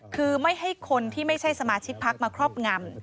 คือไม่ให้คนที่ไม่ใช่สมาชิกพักมาครอบงำ